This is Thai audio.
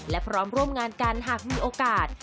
และพร้อมร่วมงานกันหากมีโอกาส